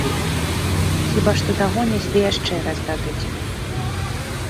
Хіба што дагоняць ды яшчэ раз дадуць.